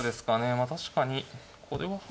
まあ確かにこれは半詰め。